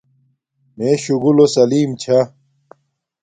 مݺ شُگُلݸ سلݵم چھݳ.